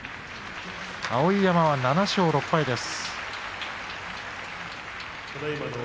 碧山は７勝６敗です。